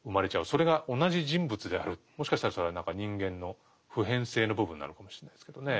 それが同じ人物であるもしかしたらそれは何か人間の普遍性の部分なのかもしれないですけどね。